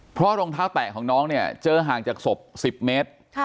เพราะรองเท้าแตะของน้องเนี่ยเจอห่างจากศพ๑๐เมตร